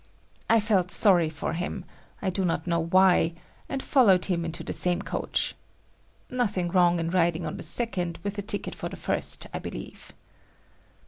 I felt sorry for him—I do not know why—and followed him into the same coach. Nothing wrong in riding on the second with a ticket for the first, I believe.